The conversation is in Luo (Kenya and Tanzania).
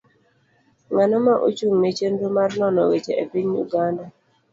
Ng'ano ma ochung' ne chenro mar nono weche e piny Uganda